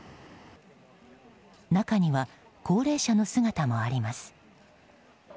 中には高齢者の姿もあります。